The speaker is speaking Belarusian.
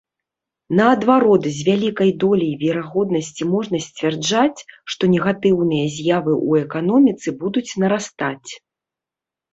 Наадварот, з вялікай доляй верагоднасці можна сцвярджаць, што негатыўныя з'явы ў эканоміцы будуць нарастаць.